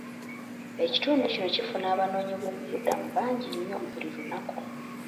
Ekitundu kino kifuna abanoonyiboobubudamu bangi nnyo buli lunaku.